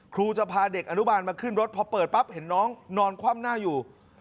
ครูจะพาเด็กอนุบาลมาขึ้นรถพอเปิดปั๊บเห็นน้องนอนคว่ำหน้าอยู่